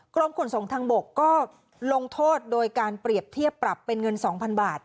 กรมขนส่งทางบกก็ลงโทษโดยการเปรียบเทียบปรับเป็นเงิน๒๐๐๐บาท